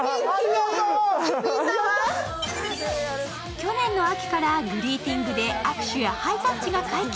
去年の秋からグリーティングで握手やハイタッチが解禁。